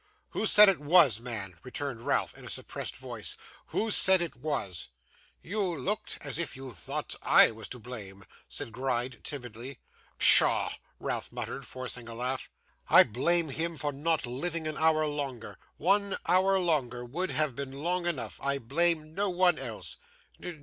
'Who said it was, man?' returned Ralph, in a suppressed voice. 'Who said it was?' 'You looked as if you thought I was to blame,' said Gride, timidly. 'Pshaw!' Ralph muttered, forcing a laugh. 'I blame him for not living an hour longer. One hour longer would have been long enough. I blame no one else.